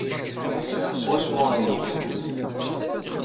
Sɛiɣ swawa ayen ay tesrimt.